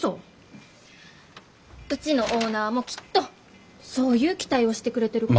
うちのオーナーもきっとそういう期待をしてくれてるからこそ。